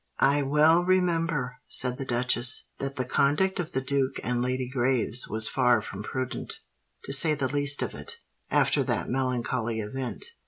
"I well remember," said the duchess, "that the conduct of the Duke and Lady Graves was far from prudent, to say the least of it, after that melancholy event.